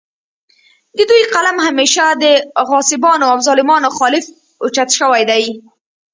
د دوي قلم همېشه د غاصبانو او ظالمانو خالف اوچت شوے دے